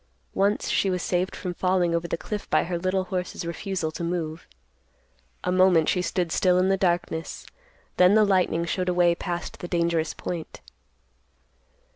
Once, she was saved from falling over the cliff by the little horse's refusal to move. A moment she stood still in the darkness; then the lightning showed a way past the dangerous point.